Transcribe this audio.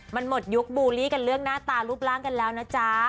มันหมดยุคบูลลี่กันเรื่องหน้าตารูปร่างกันแล้วนะจ๊ะ